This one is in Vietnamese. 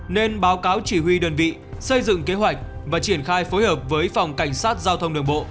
nên báo cáo chỉ huy đơn vị xây dựng kế hoạch và triển khai phối hợp với phòng cảnh sát giao thông đường bộ